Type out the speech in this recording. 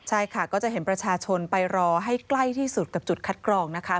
ใช่ค่ะก็จะเห็นประชาชนไปรอให้ใกล้ที่สุดกับจุดคัดกรองนะคะ